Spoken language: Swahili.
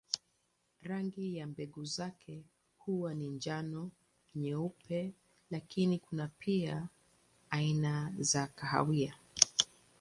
Rangi ya mbegu zake huwa ni njano, nyeupe lakini kuna pia aina za kahawia.